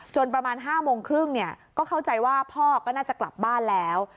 ประมาณ๕โมงครึ่งก็เข้าใจว่าพ่อก็น่าจะกลับบ้านแล้ว